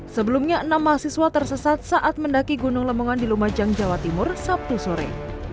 sebelumnya enam mahasiswa tersesat saat mendaki gunung lemongan di lumajang jawa timur sabtu sore